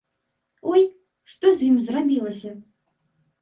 Ой, што з ім зрабілася?